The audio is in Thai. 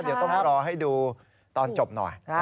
เดี๋ยวต้องรอให้ดูตอนจบหน่อย